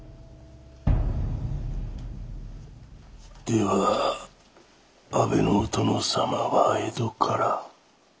では安部のお殿様は江戸から。